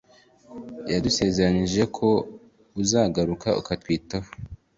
yadusezeranyije ko uzagaruka ukatwitaho…”